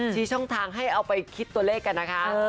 ช่องทางให้เอาไปคิดตัวเลขกันนะคะ